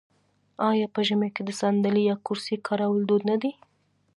آیا په ژمي کې د ساندلۍ یا کرسۍ کارول دود نه دی؟